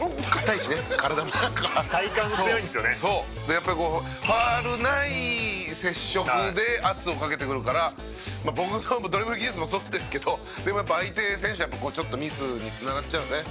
「やっぱりファールない接触で圧をかけてくるから僕のドリブル技術もそうですけどでもやっぱ相手選手ちょっとミスに繋がっちゃうんですね」